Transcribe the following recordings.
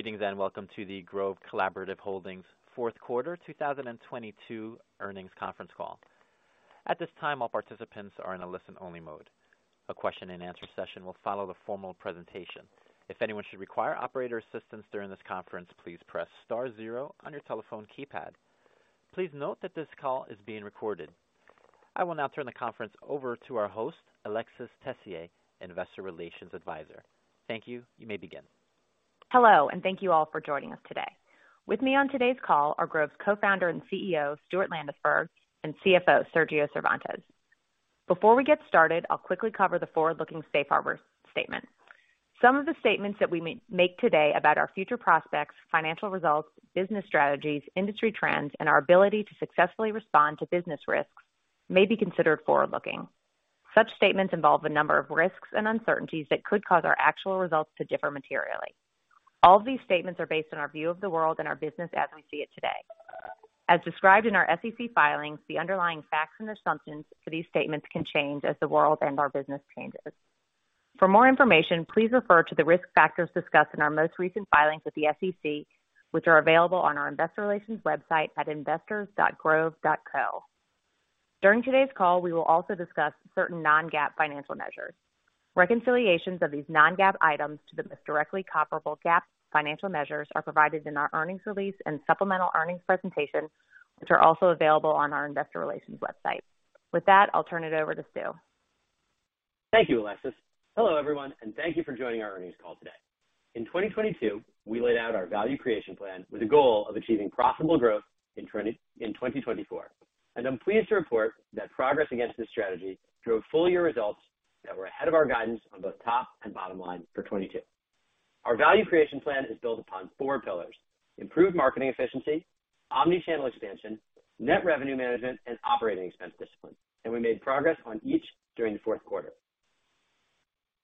Greetings, welcome to the Grove Collaborative Holdings fourth quarter 2022 earnings conference call. At this time, all participants are in a listen-only mode. A question-and-answer session will follow the formal presentation. If anyone should require operator assistance during this conference, please press star zero on your telephone keypad. Please note that this call is being recorded. I will now turn the conference over to our host, Alexis Tessier, Investor Relations Advisor. Thank you. You may begin. Hello, thank you all for joining us today. With me on today's call are Grove's Co-Founder and CEO, Stuart Landesberg, and CFO, Sergio Cervantes. Before we get started, I'll quickly cover the forward-looking safe harbor statement. Some of the statements that we make today about our future prospects, financial results, business strategies, industry trends, and our ability to successfully respond to business risks may be considered forward-looking. Such statements involve a number of risks and uncertainties that could cause our actual results to differ materially. All of these statements are based on our view of the world and our business as we see it today. As described in our SEC filings, the underlying facts and assumptions for these statements can change as the world and our business changes. For more information, please refer to the risk factors discussed in our most recent filings with the SEC, which are available on our investor relations website at investors.grove.co. During today's call, we will also discuss certain non-GAAP financial measures. Reconciliations of these non-GAAP items to the most directly comparable GAAP financial measures are provided in our earnings release and supplemental earnings presentation, which are also available on our investor relations website. With that, I'll turn it over to Stu. Thank you, Alexis. Hello, everyone, thank you for joining our earnings call today. In 2022, we laid out our value creation plan with the goal of achieving profitable growth in 2024. I'm pleased to report that progress against this strategy drove full year results that were ahead of our guidance on both top and bottom line for 2022. Our value creation plan is built upon four pillars: improved marketing efficiency, omni-channel expansion, net revenue management, and operating expense discipline. We made progress on each during the fourth quarter.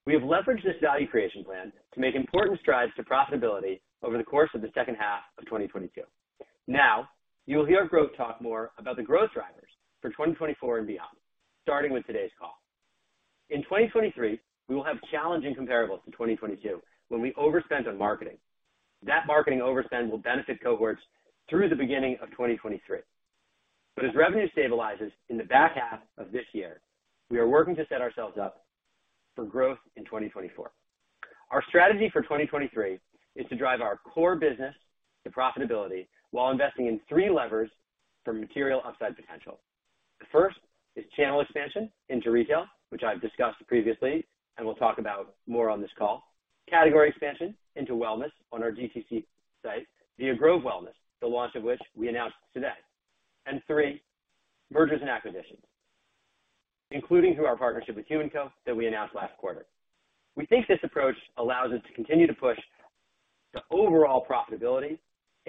We have leveraged this value creation plan to make important strides to profitability over the course of the second half of 2022. Now, you'll hear Grove talk more about the growth drivers for 2024 and beyond, starting with today's call. In 2023, we will have challenging comparables to 2022, when we overspent on marketing. That marketing overspend will benefit cohorts through the beginning of 2023. As revenue stabilizes in the back half of this year, we are working to set ourselves up for growth in 2024. Our strategy for 2023 is to drive our core business to profitability while investing in three levers for material upside potential. The first is channel expansion into retail, which I've discussed previously, and we'll talk about more on this call. Category expansion into wellness on our DTC site via Grove Wellness, the launch of which we announced today. Three, mergers and acquisitions, including through our partnership with HumanCo that we announced last quarter. We think this approach allows us to continue to push the overall profitability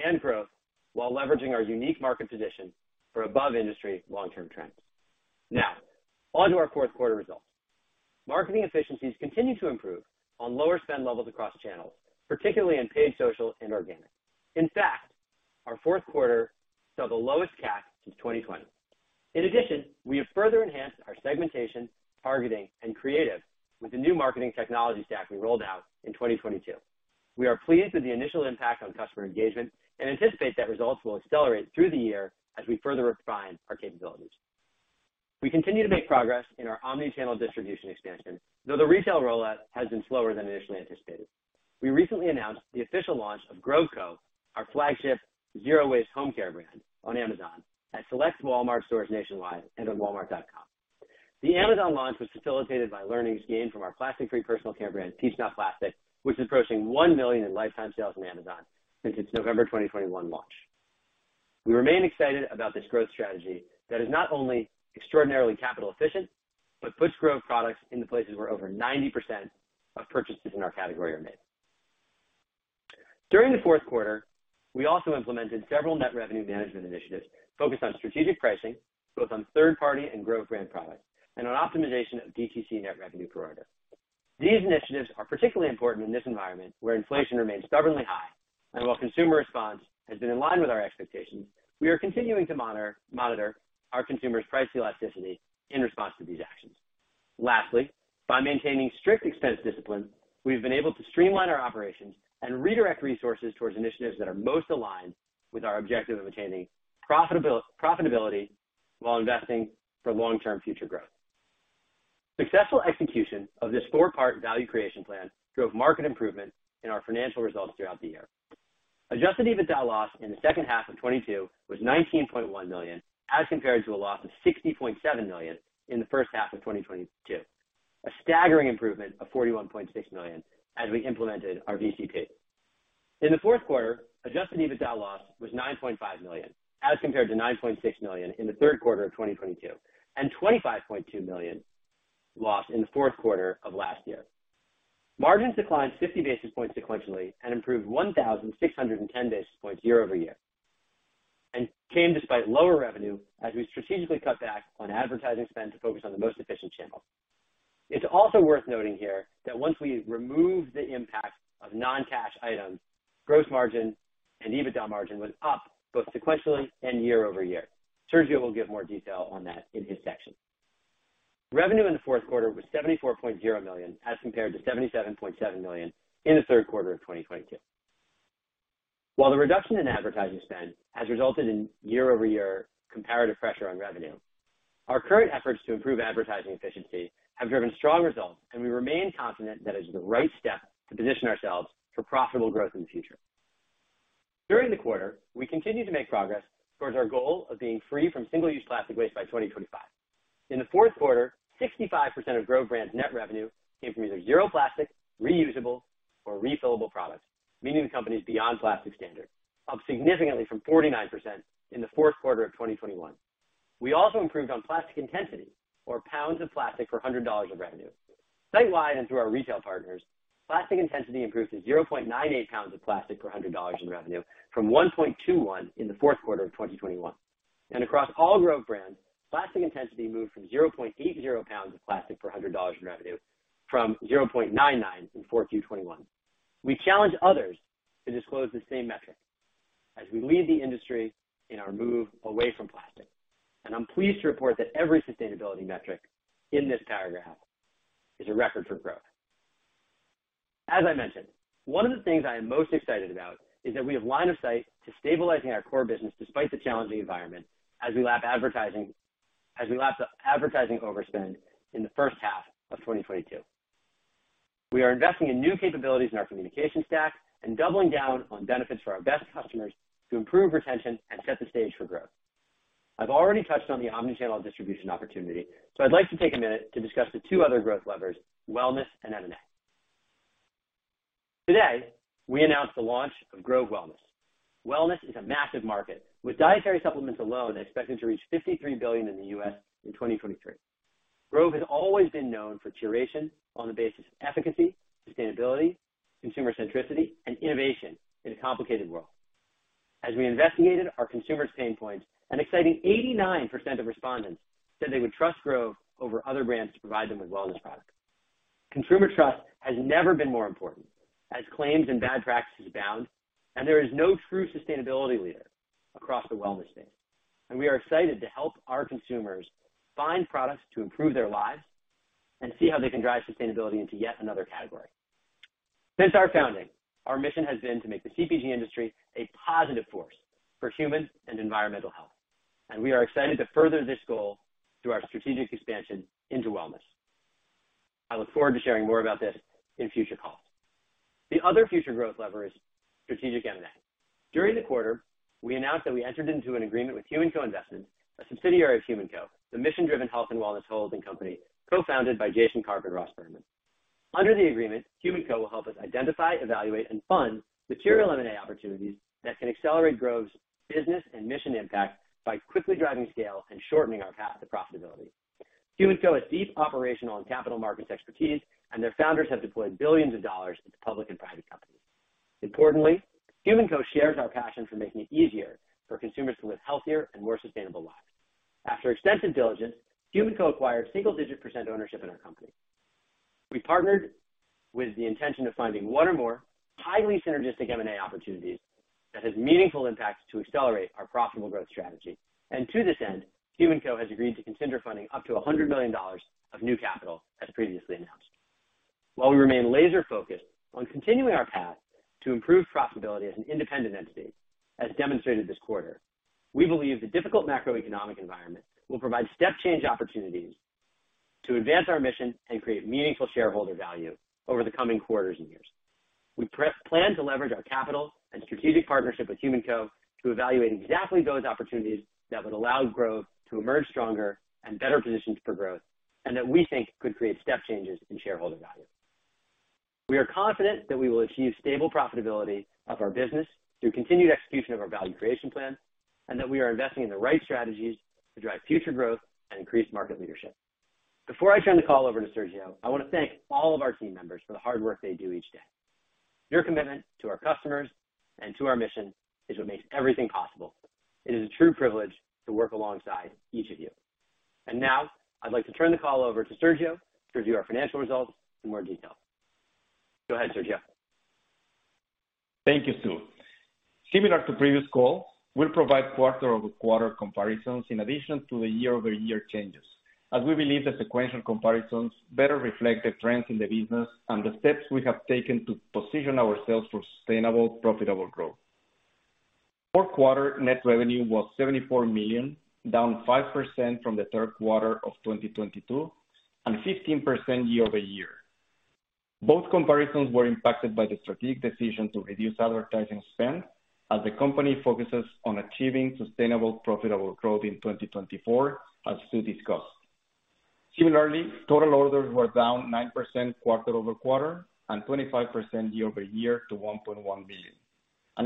and growth while leveraging our unique market position for above-industry long-term trends. Now, on to our fourth quarter results. Marketing efficiencies continue to improve on lower spend levels across channels, particularly in paid social and organic. In fact, our fourth quarter saw the lowest CAC since 2020. In addition, we have further enhanced our segmentation, targeting, and creative with the new marketing technology stack we rolled out in 2022. We are pleased with the initial impact on customer engagement and anticipate that results will accelerate through the year as we further refine our capabilities. We continue to make progress in our omni-channel distribution expansion, though the retail rollout has been slower than initially anticipated. We recently announced the official launch of Grove Co., our flagship zero-waste home care brand, on Amazon, at select Walmart stores nationwide, and on Walmart.com. The Amazon launch was facilitated by learnings gained from our plastic-free personal care brand, Peach Not Plastic, which is approaching $1 million in lifetime sales on Amazon since its November 2021 launch. We remain excited about this growth strategy that is not only extraordinarily capital efficient but puts Grove products in the places where over 90% of purchases in our category are made. During the fourth quarter, we also implemented several net revenue management initiatives focused on strategic pricing, both on third-party and Grove brand products, and on optimization of DTC net revenue per order. These initiatives are particularly important in this environment where inflation remains stubbornly high. While consumer response has been in line with our expectations, we are continuing to monitor our consumers' price elasticity in response to these actions. Lastly, by maintaining strict expense discipline, we've been able to streamline our operations and redirect resources towards initiatives that are most aligned with our objective of attaining profitability while investing for long-term future growth. Successful execution of this four-part value creation plan drove market improvement in our financial results throughout the year. Adjusted EBITDA loss in the second half of 2022 was $19.1 million, as compared to a loss of $60.7 million in the first half of 2022. A staggering improvement of $41.6 million as we implemented our VCP. In the fourth quarter, Adjusted EBITDA loss was $9.5 million, as compared to $9.6 million in the third quarter of 2022, and $25.2 million loss in the fourth quarter of last year. Margins declined 50 basis points sequentially and improved 1,610 basis points year-over-year, and came despite lower revenue as we strategically cut back on advertising spend to focus on the most efficient channels. It's also worth noting here that once we remove the impact of non-cash items, gross margin and EBITDA margin was up both sequentially and year-over-year. Sergio will give more detail on that in his section. Revenue in the fourth quarter was $74.0 million as compared to $77.7 million in the third quarter of 2022. While the reduction in advertising spend has resulted in year-over-year comparative pressure on revenue, our current efforts to improve advertising efficiency have driven strong results, we remain confident that is the right step to position ourselves for profitable growth in the future. During the quarter, we continued to make progress towards our goal of being free from single-use plastic waste by 2025. In the fourth quarter, 65% of Grove Brands net revenue came from either zero-plastic, reusable, or refillable products, meeting the company's Beyond Plastic standard, up significantly from 49% in the fourth quarter of 2021. We also improved on plastic intensity or pounds of plastic for $100 of revenue. Sitewide and through our retail partners, plastic intensity improved to 0.98 pounds of plastic per $100 in revenue from 1.21 in the fourth quarter of 2021. Across all Grove Brands, plastic intensity moved from 0.80 pounds of plastic per hundred dollars in revenue from 0.99 in 4Q 21. We challenge others to disclose the same metric as we lead the industry in our move away from plastic. I'm pleased to report that every sustainability metric in this paragraph is a record for Grove. As I mentioned, one of the things I am most excited about is that we have line of sight to stabilizing our core business despite the challenging environment as we lap advertising, as we lap the advertising overspend in the first half of 2022. We are investing in new capabilities in our communication stack and doubling down on benefits for our best customers to improve retention and set the stage for growth. I've already touched on the omni-channel distribution opportunity, so I'd like to take a minute to discuss the two other growth levers, wellness and M&A. Today, we announced the launch of Grove Wellness. Wellness is a massive market, with dietary supplements alone expected to reach $53 billion in the U.S. in 2023. Grove has always been known for curation on the basis of efficacy, sustainability, consumer centricity, and innovation in a complicated world. As we investigated our consumer's pain points, an exciting 89% of respondents said they would trust Grove over other brands to provide them with wellness products. Consumer trust has never been more important as claims and bad practices abound, and there is no true sustainability leader across the wellness space. We are excited to help our consumers find products to improve their lives and see how they can drive sustainability into yet another category. Since our founding, our mission has been to make the CPG industry a positive force for human and environmental health, and we are excited to further this goal through our strategic expansion into wellness. I look forward to sharing more about this in future calls. The other future growth lever is strategic M&A. During the quarter, we announced that we entered into an agreement with HumanCo Investments, a subsidiary of HumanCo, the mission-driven health and wellness holding company co-founded by Jason Karp and Ross Berman. Under the agreement, HumanCo will help us identify, evaluate, and fund material M&A opportunities that can accelerate growth, business and mission impact by quickly driving scale and shortening our path to profitability. HumanCo has deep operational and capital markets expertise. Their founders have deployed billions of dollars into public and private companies. Importantly, HumanCo shares our passion for making it easier for consumers to live healthier and more sustainable lives. After extensive diligence, HumanCo acquired single-digit percent ownership in our company. We partnered with the intention of finding one or more highly synergistic M&A opportunities that has meaningful impacts to accelerate our profitable growth strategy. To this end, HumanCo has agreed to consider funding up to $100 million of new capital, as previously announced. While we remain laser-focused on continuing our path to improve profitability as an independent entity, as demonstrated this quarter, we believe the difficult macroeconomic environment will provide step change opportunities to advance our mission and create meaningful shareholder value over the coming quarters and years. We plan to leverage our capital and strategic partnership with HumanCo to evaluate exactly those opportunities that would allow growth to emerge stronger and better positioned for growth and that we think could create step changes in shareholder value. We are confident that we will achieve stable profitability of our business through continued execution of our value creation plan and that we are investing in the right strategies to drive future growth and increase market leadership. Before I turn the call over to Sergio, I want to thank all of our team members for the hard work they do each day. Your commitment to our customers and to our mission is what makes everything possible. It is a true privilege to work alongside each of you. Now I'd like to turn the call over to Sergio to review our financial results in more detail. Go ahead, Sergio. Thank you, Stu. Similar to previous calls, we'll provide quarter-over-quarter comparisons in addition to the year-over-year changes, as we believe the sequential comparisons better reflect the trends in the business and the steps we have taken to position ourselves for sustainable, profitable growth. Fourth quarter net revenue was $74 million, down 5% from the third quarter of 2022 and 15% year-over-year. Both comparisons were impacted by the strategic decision to reduce advertising spend as the company focuses on achieving sustainable, profitable growth in 2024, as Stu discussed. Total orders were down 9% quarter-over-quarter and 25% year-over-year to 1.1 billion.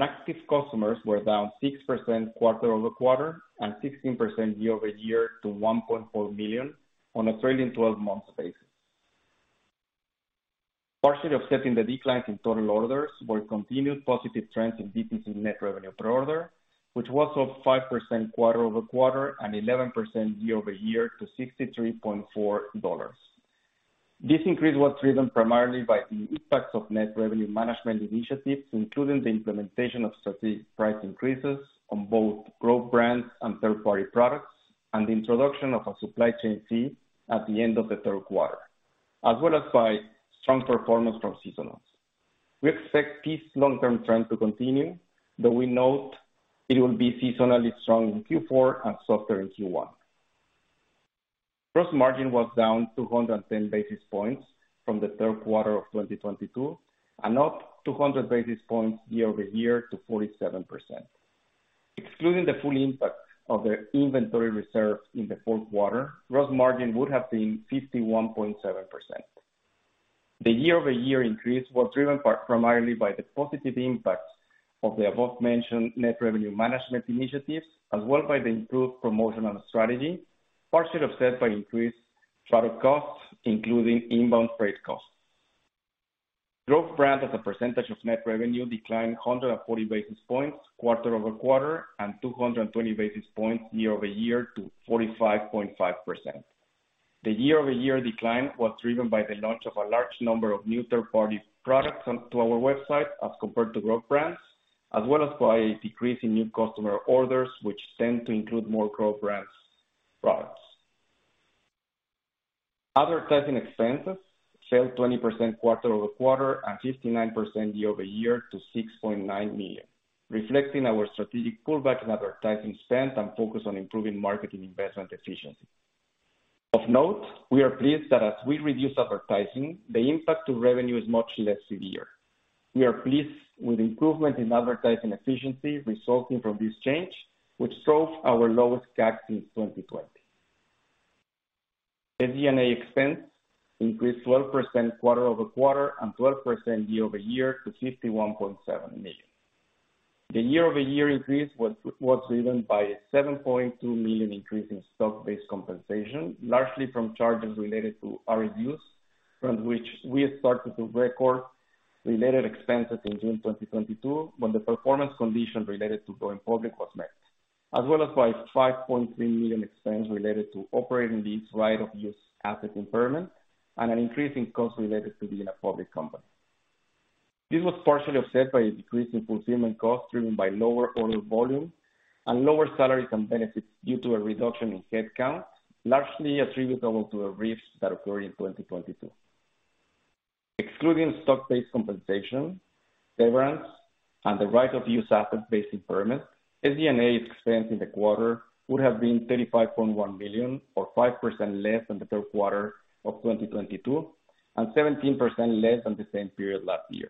Active customers were down 6% quarter-over-quarter and 16% year-over-year to 1.4 million on a trailing 12-month basis. Partially offsetting the declines in total orders were continued positive trends in DTC net revenue per order, which was up 5% quarter-over-quarter and 11% year-over-year to $63.4. This increase was driven primarily by the impacts of net revenue management initiatives, including the implementation of strategic price increases on both Grove Brands and third-party products, and the introduction of a supply chain fee at the end of the third quarter, as well as by strong performance from seasonals. We expect this long-term trend to continue, though we note it will be seasonally strong in Q4 and softer in Q1. Gross margin was down 210 basis points from the third quarter of 2022 and up 200 basis points year-over-year to 47%. Excluding the full impact of the inventory reserves in the fourth quarter, gross margin would have been 51.7%. The year-over-year increase was driven primarily by the positive impact of the above-mentioned net revenue management initiatives, as well by the improved promotional strategy, partially offset by increased freight costs, including inbound freight costs. Grove Brands as a percentage of net revenue declined 140 basis points quarter-over-quarter and 220 basis points year-over-year to 45.5%. The year-over-year decline was driven by the launch of a large number of new third-party products onto our website as compared to Grove Brands, as well as by a decrease in new customer orders, which tend to include more Grove Brands products. Other testing expenses fell 20% quarter-over-quarter and 59% year-over-year to $6.9 million, reflecting our strategic pullback in advertising spend and focus on improving marketing investment efficiency. Of note, we are pleased that as we reduce advertising, the impact to revenue is much less severe. We are pleased with improvement in advertising efficiency resulting from this change, which shows our lowest CAC in 2020. SG&A expense increased 12% quarter-over-quarter and 12% year-over-year to $51.7 million. The year-over-year increase was driven by a $7.2 million increase in stock-based compensation, largely from charges related to RSUs, from which we started to record related expenses in June 2022, when the performance condition related to going public was met. As well as by $5.3 million expense related to operating lease right of use asset impairment and an increase in costs related to being a public company. This was partially offset by a decrease in fulfillment costs driven by lower order volume and lower salaries and benefits due to a reduction in headcount, largely attributable to a RIFs that occurred in 2022. Excluding stock-based compensation, severance, and the right of use asset-based impairment, SG&A expense in the quarter would have been $35.1 million, or 5% less than the third quarter of 2022, and 17% less than the same period last year.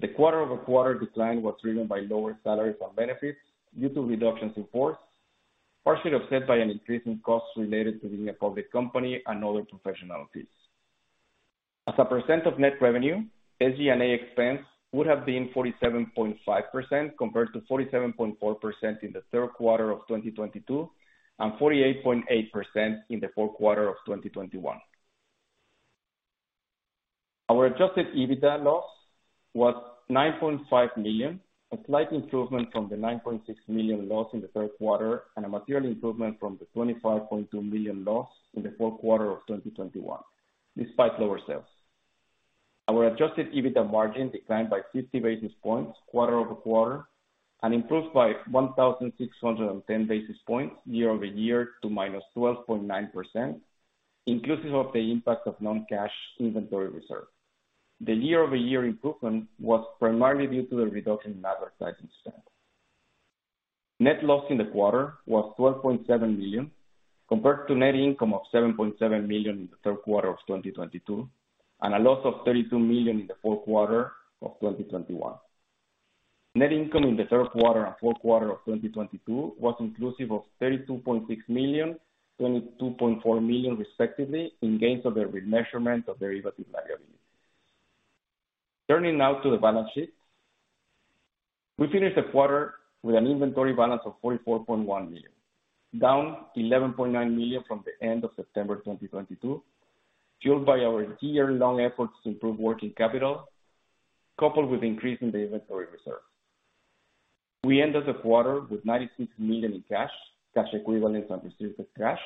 The quarter-over-quarter decline was driven by lower salaries and benefits due to reductions in force, partially offset by an increase in costs related to being a public company and other professional fees. As a percent of net revenue, SG&A expense would have been 47.5% compared to 47.4% in the third quarter of 2022, and 48.8% in the fourth quarter of 2021. Our Adjusted EBITDA loss was $9.5 million, a slight improvement from the $9.6 million loss in the third quarter, and a material improvement from the $25.2 million loss in the fourth quarter of 2021, despite lower sales. Our Adjusted EBITDA margin declined by 50 basis points quarter-over-quarter and improved by 1,610 basis points year-over-year to -12.9%, inclusive of the impact of non-cash inventory reserve. The year-over-year improvement was primarily due to the reduction in advertising spend. Net loss in the quarter was $12.7 million, compared to net income of $7.7 million in the third quarter of 2022, and a loss of $32 million in the fourth quarter of 2021. Net income in the third quarter and fourth quarter of 2022 was inclusive of $32.6 million, $22.4 million, respectively, in gains of the remeasurement of derivative liability. Turning now to the balance sheet. We finished the quarter with an inventory balance of $44.1 million, down $11.9 million from the end of September 2022, fueled by our year-long efforts to improve working capital, coupled with increase in the inventory reserve. We ended the quarter with $96 million in cash equivalents, and restricted cash,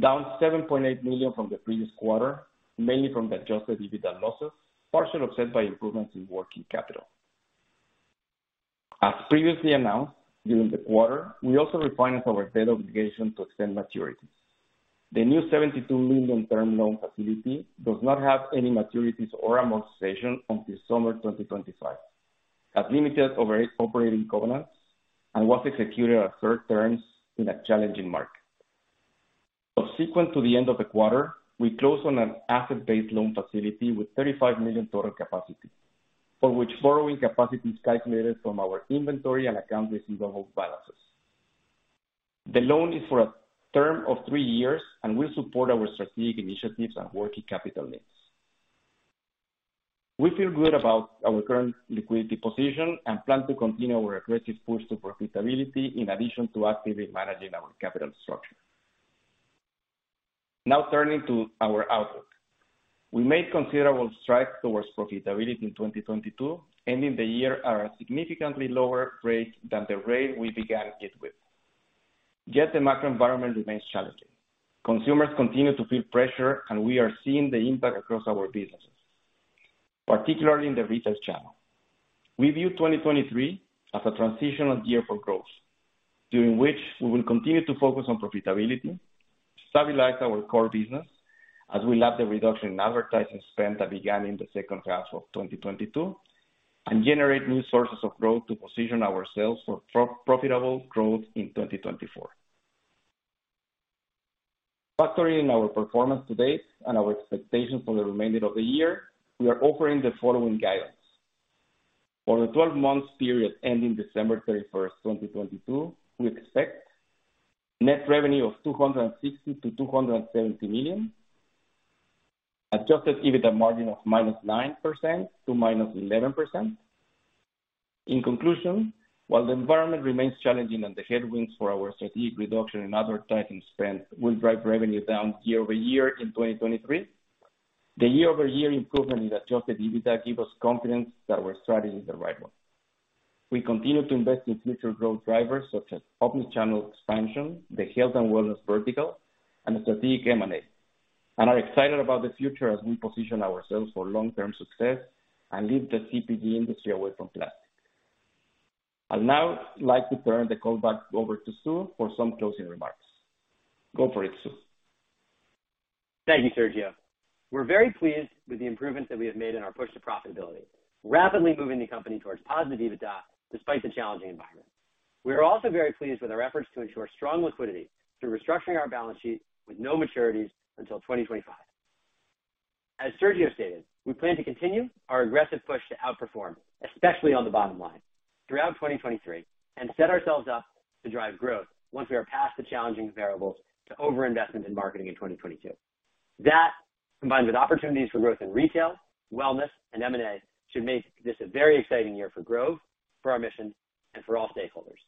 down $7.8 million from the previous quarter, mainly from the Adjusted EBITDA losses, partially offset by improvements in working capital. As previously announced, during the quarter, we also refined our debt obligation to extend maturities. The new $72 million term loan facility does not have any maturities or amortization until summer 2025, has limited operating covenants, and was executed at third terms in a challenging market. Subsequent to the end of the quarter, we closed on an asset-based loan facility with $35 million total capacity, for which borrowing capacity is calculated from our inventory and account receivable balances. The loan is for a term of three years and will support our strategic initiatives and working capital needs. We feel good about our current liquidity position and plan to continue our aggressive push to profitability in addition to actively managing our capital structure. Turning to our outlook. We made considerable strides towards profitability in 2022, ending the year at a significantly lower rate than the rate we began it with. Yet the macro environment remains challenging. Consumers continue to feel pressure, and we are seeing the impact across our businesses, particularly in the retail channel. We view 2023 as a transitional year for growth, during which we will continue to focus on profitability, stabilize our core business as we lap the reduction in advertising spend that began in the second half of 2022, and generate new sources of growth to position ourselves for profitable growth in 2024. Factoring our performance to date and our expectations for the remainder of the year, we are offering the following guidance. For the 12 months period ending December 31st, 2022, we expect net revenue of $260 million-$270 million, adjusted EBITDA margin of -9% to -11%. In conclusion, while the environment remains challenging and the headwinds for our strategic reduction in advertising spend will drive revenue down year-over-year in 2023, the year-over-year improvement in adjusted EBITDA give us confidence that our strategy is the right one. We continue to invest in future growth drivers such as omnichannel expansion, the health and wellness vertical, and strategic M&A, and are excited about the future as we position ourselves for long-term success and lead the CPG industry away from plastic. I'll now like to turn the call back over to Stu for some closing remarks. Go for it, Stu. Thank you, Sergio. We're very pleased with the improvements that we have made in our push to profitability, rapidly moving the company towards positive EBITDA despite the challenging environment. We are also very pleased with our efforts to ensure strong liquidity through restructuring our balance sheet with no maturities until 2025. As Sergio stated, we plan to continue our aggressive push to outperform, especially on the bottom line, throughout 2023 and set ourselves up to drive growth once we are past the challenging variables to overinvestment in marketing in 2022. That, combined with opportunities for growth in retail, wellness, and M&A, should make this a very exciting year for growth, for our mission, and for all stakeholders.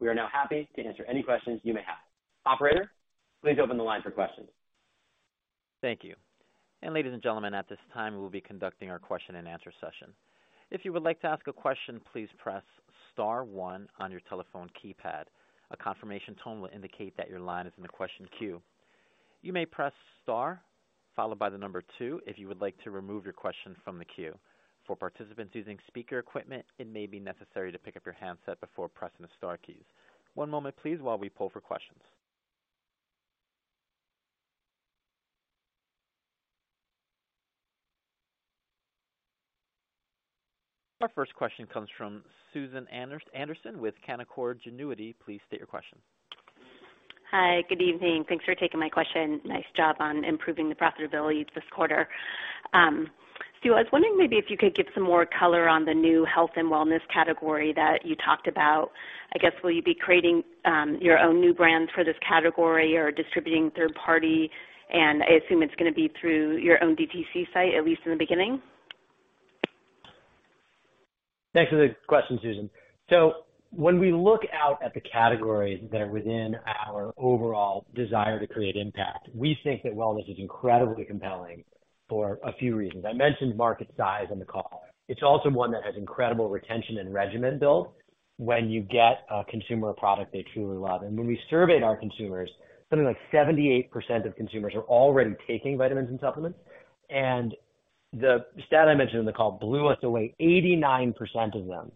We are now happy to answer any questions you may have. Operator, please open the line for questions. Thank you. Ladies and gentlemen, at this time, we'll be conducting our question and answer session. If you would like to ask a question, please press star one on your telephone keypad. A confirmation tone will indicate that your line is in the question queue. You may press star followed by the number two if you would like to remove your question from the queue. For participants using speaker equipment, it may be necessary to pick up your handset before pressing the star keys. One moment, please, while we pull for questions. Our first question comes from Susan Anderson with Canaccord Genuity. Please state your question. Hi. Good evening. Thanks for taking my question. Nice job on improving the profitability this quarter. Stu, I was wondering maybe if you could give some more color on the new health and wellness category that you talked about. I guess, will you be creating, your own new brands for this category or distributing third party? I assume it's gonna be through your own DTC site, at least in the beginning. Thanks for the question, Susan. When we look out at the categories that are within our overall desire to create impact, we think that wellness is incredibly compelling for a few reasons. I mentioned market size on the call. It's also one that has incredible retention and regimen build when you get a consumer product they truly love. When we surveyed our consumers, something like 78% of consumers are already taking vitamins and supplements. The stat I mentioned in the call blew us away. 89% of them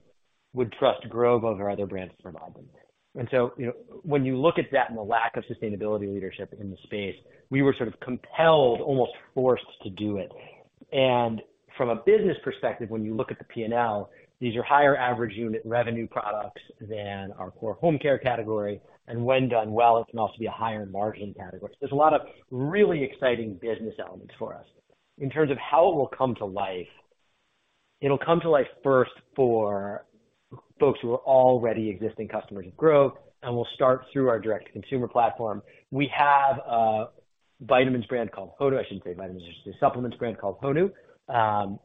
would trust Grove over other brands to provide them. You know, when you look at that and the lack of sustainability leadership in the space, we were sort of compelled, almost forced to do it. From a business perspective, when you look at the P&L, these are higher average unit revenue products than our core home care category, and when done well, it can also be a higher margin category. There's a lot of really exciting business elements for us. In terms of how it will come to life, it'll come to life first for folks who are already existing customers of Grove, and we'll start through our direct-to-consumer platform. We have a vitamins brand called HONU. I shouldn't say vitamins. It's a supplements brand called HONU,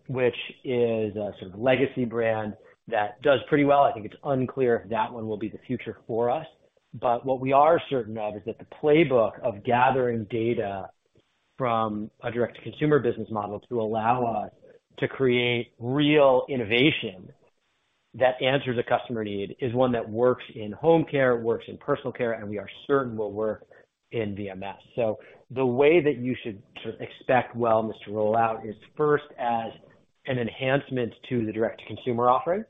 which is a sort of legacy brand that does pretty well. I think it's unclear if that one will be the future for us. What we are certain of is that the playbook of gathering data from a direct-to-consumer business model to allow us to create real innovation that answers a customer need is one that works in home care, works in personal care, and we are certain will work in FDM. The way that you should sort of expect wellness to roll out is first as an enhancement to the direct-to-consumer offering,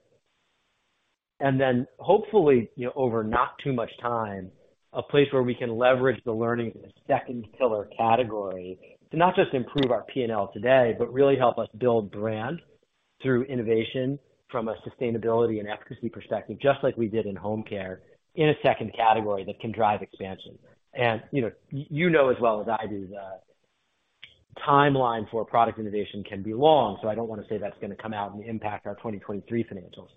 and then hopefully, you know, over not too much time, a place where we can leverage the learning as a second pillar category to not just improve our P&L today, but really help us build brand through innovation from a sustainability and efficacy perspective, just like we did in home care in a second category that can drive expansion. You know, you know as well as I do the timeline for product innovation can be long, so I don't wanna say that's gonna come out and impact our 2023 financials.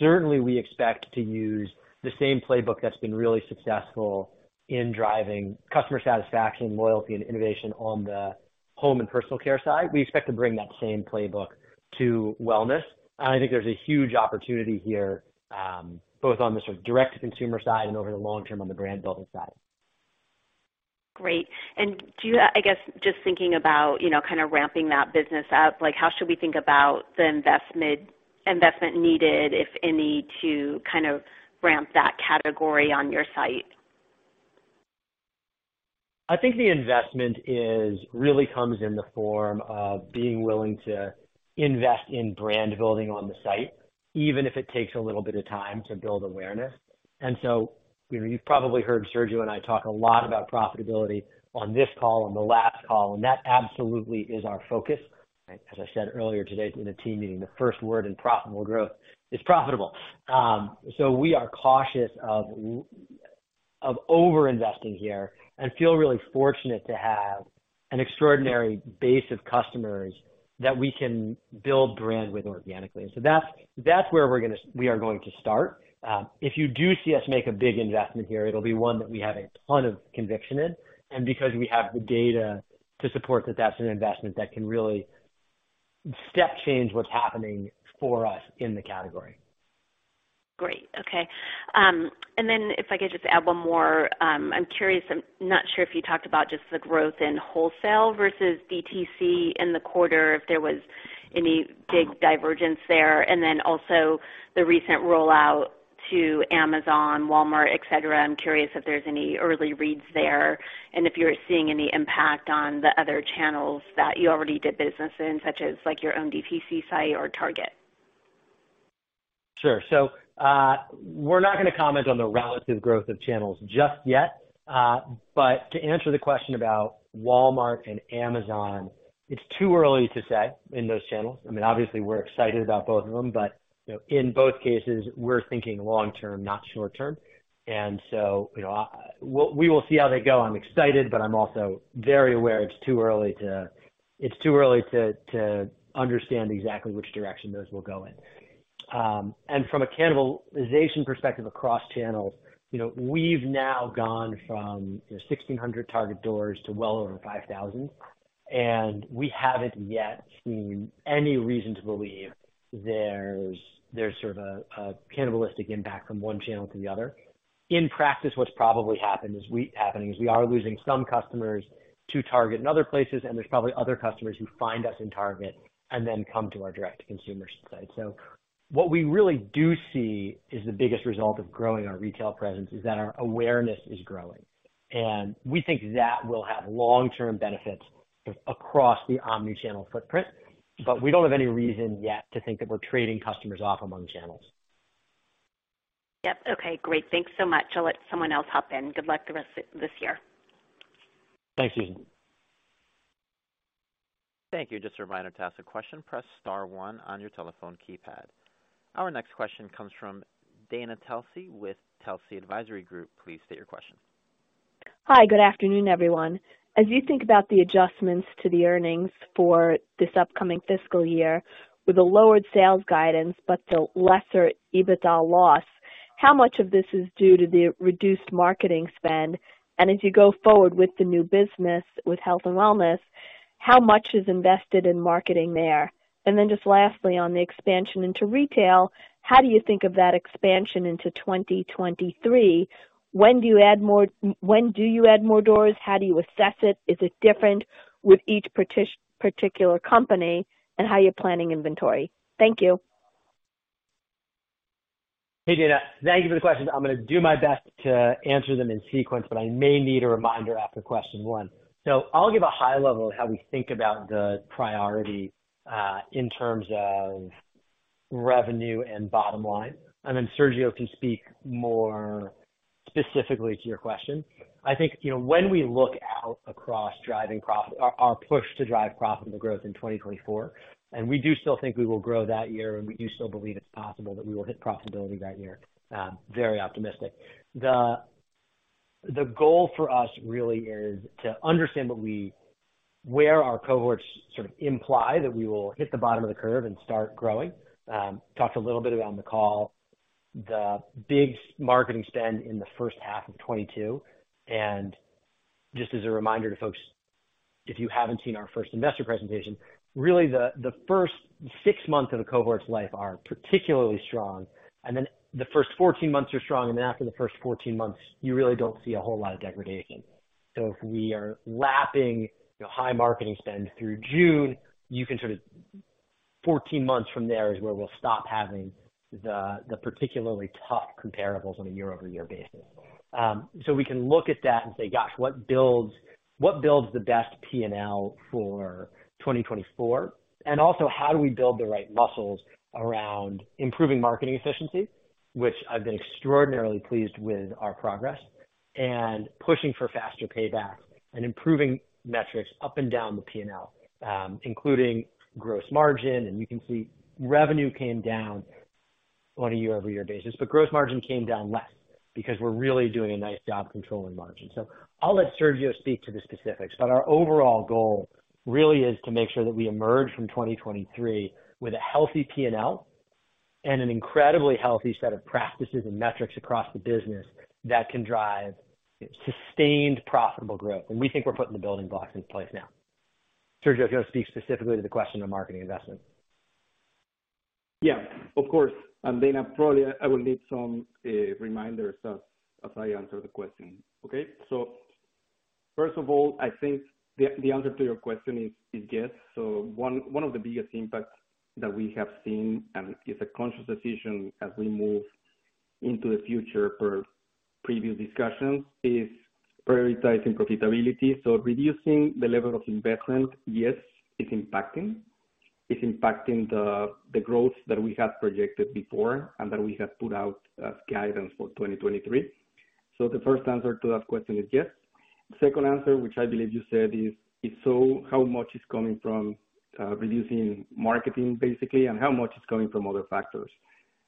Certainly, we expect to use the same playbook that's been really successful in driving customer satisfaction, loyalty, and innovation on the home and personal care side. We expect to bring that same playbook to wellness. I think there's a huge opportunity here, both on the sort of direct-to-consumer side and over the long-term on the brand building side. Great. Do you, I guess, just thinking about, you know, kind of ramping that business up, like how should we think about the investment needed, if any, to kind of ramp that category on your site? I think the investment is really comes in the form of being willing to invest in brand building on the site, even if it takes a little bit of time to build awareness. You've probably heard Sergio and I talk a lot about profitability on this call and the last call, and that absolutely is our focus, right? As I said earlier today in a team meeting, the first word in profitable growth is profitable. We are cautious of over-investing here and feel really fortunate to have an extraordinary base of customers that we can build brand with organically. That's where we are going to start. If you do see us make a big investment here, it'll be one that we have a ton of conviction in. Because we have the data to support that's an investment that can really step change what's happening for us in the category. Great. Okay. If I could just add one more. I'm curious. I'm not sure if you talked about just the growth in wholesale versus DTC in the quarter, if there was any big divergence there? Also the recent rollout to Amazon, Walmart, et cetera. I'm curious if there's any early reads there and if you're seeing any impact on the other channels that you already did business in, such as like your own DTC site or Target? Sure. We're not gonna comment on the relative growth of channels just yet. But to answer the question about Walmart and Amazon, it's too early to say in those channels. I mean, obviously we're excited about both of them, but in both cases, we're thinking long- term, not short-term. You know, we will see how they go. I'm excited, but I'm also very aware it's too early to understand exactly which direction those will go in. And from a cannibalization perspective across channels, you know, we've now gone from 1,600 Target doors to well over 5,000, and we haven't yet seen any reason to believe there's sort of a cannibalistic impact from one channel to the other. In practice, what's probably happening is we are losing some customers to Target and other places, and there's probably other customers who find us in Target and then come to our direct-to-consumer site. What we really do see is the biggest result of growing our retail presence is that our awareness is growing, and we think that will have long-term benefits across the omni-channel footprint. We don't have any reason yet to think that we're trading customers off among channels. Yep. Okay, great. Thanks so much. I'll let someone else hop in. Good luck the rest of this year. Thanks, Susan. Thank you. Just a reminder, to ask a question, press star one on your telephone keypad. Our next question comes from Dana Telsey with Telsey Advisory Group. Please state your question. Hi. Good afternoon, everyone. As you think about the adjustments to the earnings for this upcoming fiscal year with a lowered sales guidance but the lesser EBITDA loss, how much of this is due to the reduced marketing spend? As you go forward with the new business with health and wellness, how much is invested in marketing there? Just lastly, on the expansion into retail, how do you think of that expansion into 2023? When do you add more? When do you add more doors? How do you assess it? Is it different with each particular company and how you're planning inventory? Thank you. Hey, Dana, thank you for the question. I'm gonna do my best to answer them in sequence, but I may need a reminder after question one. I'll give a high level of how we think about the priority in terms of revenue and bottom line, and then Sergio can speak more specifically to your question. I think, you know, when we look out across driving profit, our push to drive profitable growth in 2024. We do still think we will grow that year. We do still believe it's possible that we will hit profitability that year. Very optimistic. The goal for us really is to understand where our cohorts sort of imply that we will hit the bottom of the curve and start growing. Talked a little bit about on the call, the big marketing spend in the first half of 2022. Just as a reminder to folks, if you haven't seen our first investor presentation, really the first six months of a cohort's life are particularly strong, and then the first 14 months are strong, and then after the first 14 months, you really don't see a whole lot of degradation. If we are lapping high marketing spend through June, you can 14 months from there is where we'll stop having the particularly tough comparables on a year-over-year basis. We can look at that and say, gosh, what builds, what builds the best P&L for 2024? Also how do we build the right muscles around improving marketing efficiency, which I've been extraordinarily pleased with our progress and pushing for faster payback and improving metrics up and down the P&L, including gross margin. You can see revenue came down on a year-over-year basis, but gross margin came down less because we're really doing a nice job controlling margin. I'll let Sergio speak to the specifics. Our overall goal really is to make sure that we emerge from 2023 with a healthy P&L and an incredibly healthy set of practices and metrics across the business that can drive sustained profitable growth. We think we're putting the building blocks in place now. Sergio, if you want to speak specifically to the question of marketing investment. Yeah, of course. I will need some reminders as I answer the question. First of all, I think the answer to your question is yes. One of the biggest impacts that we have seen, and it's a conscious decision as we move into the future per previous discussions, is prioritizing profitability. Reducing the level of investment, yes, it's impacting. It's impacting the growth that we had projected before and that we have put out as guidance for 2023. The first answer to that question is yes. Second answer, which I believe you said is, if so, how much is coming from reducing marketing basically, and how much is coming from other factors?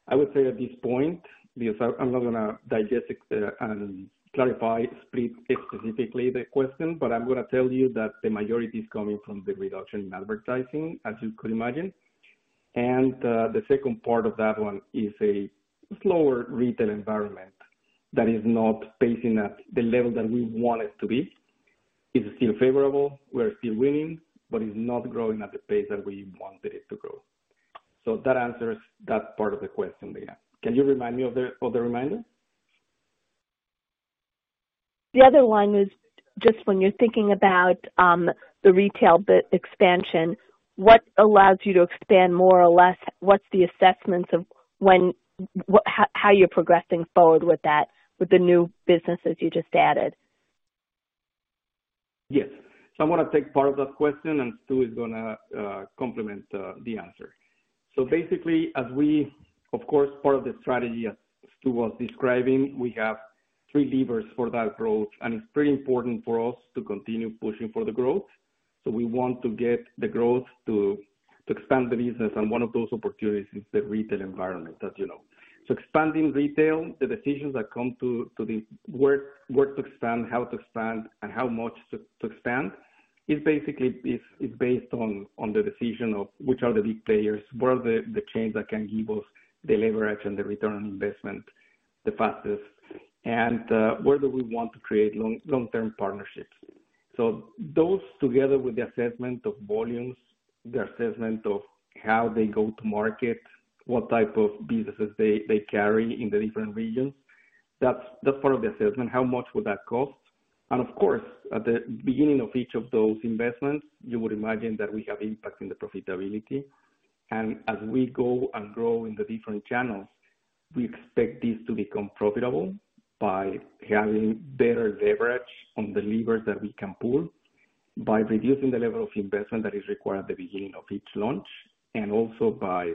I would say at this point, because I'm not gonna digest it, and clarify split specifically the question, but I'm gonna tell you that the majority is coming from the reduction in advertising, as you could imagine. The second part of that one is a slower retail environment that is not pacing at the level that we want it to be. It's still favorable. We're still winning, but it's not growing at the pace that we wanted it to grow. That answers that part of the question, Dana. Can you remind me of the reminder? The other one is just when you're thinking about the retail expansion, what allows you to expand more or less? What's the assessments of how you're progressing forward with that, with the new businesses you just added? Yes. I'm gonna take part of that question and Stu is gonna complement the answer. Basically, Of course, part of the strategy as Stu was describing, we have three levers for that growth, and it's pretty important for us to continue pushing for the growth. We want to get the growth to expand the business, and one of those opportunities is the retail environment as you know. Expanding retail, the decisions that come to the where to expand, how to expand and how much to expand is basically is based on the decision of which are the big players, where are the chains that can give us the leverage and the return on investment, the fastest. Where do we want to create long-term partnerships. Those together with the assessment of volumes, the assessment of how they go to market, what type of businesses they carry in the different regions. That's part of the assessment. How much would that cost? Of course, at the beginning of each of those investments, you would imagine that we have impact in the profitability. As we go and grow in the different channels, we expect this to become profitable by having better leverage on the levers that we can pull by reducing the level of investment that is required at the beginning of each launch, and also by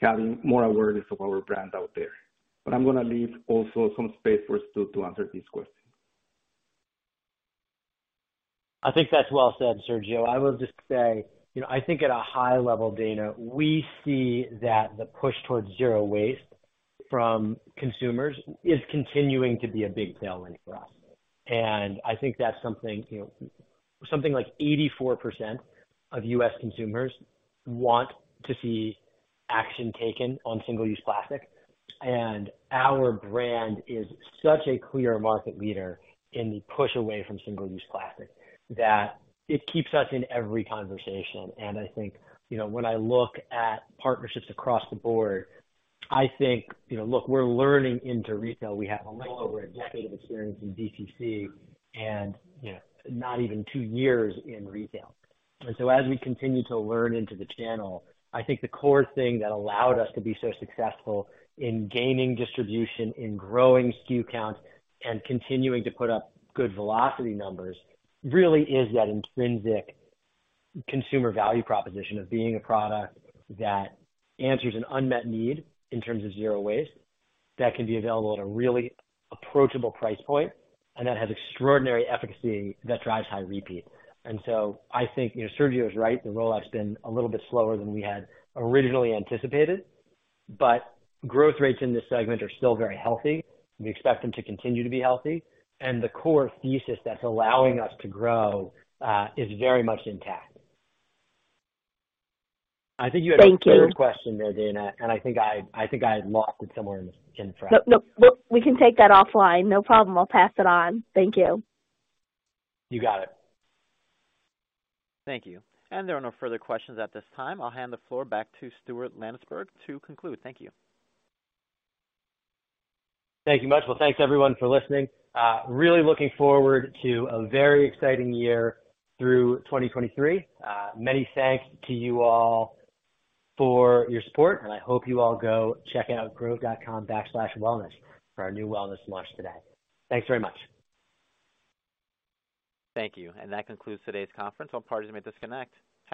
having more awareness of our brand out there. I'm gonna leave also some space for Stu to answer this question. I think that's well said, Sergio. I will just say, you know, I think at a high level, Dana, we see that the push towards zero waste from consumers is continuing to be a big tailwind for us. I think that's something, you know, something like 84% of U.S. consumers want to see action taken on single-use plastic. Our brand is such a clear market leader in the push away from single-use plastic that it keeps us in every conversation. I think, you know, when I look at partnerships across the board, I think, you know, look, we're learning into retail. We have a little over a decade of experience in DTC and, you know, not even two years in retail. As we continue to learn into the channel, I think the core thing that allowed us to be so successful in gaining distribution, in growing SKU count and continuing to put up good velocity numbers really is that intrinsic consumer value proposition of being a product that answers an unmet need in terms of zero waste that can be available at a really approachable price point and that has extraordinary efficacy that drives high repeat. I think, you know, Sergio is right. The rollout's been a little bit slower than we had originally anticipated, but growth rates in this segment are still very healthy. We expect them to continue to be healthy. The core thesis that's allowing us to grow is very much intact. I think you had a third question there, Dana, I think I lost it somewhere in the fray. No, no. We can take that offline. No problem. I'll pass it on. Thank you. You got it. Thank you. There are no further questions at this time. I'll hand the floor back to Stuart Landesberg to conclude. Thank you. Thank you much. Well, thanks everyone for listening. Really looking forward to a very exciting year through 2023. Many thanks to you all for your support, and I hope you all go check out grove.com/wellness for our new wellness launch today. Thanks very much. Thank you. That concludes today's conference. All parties may disconnect.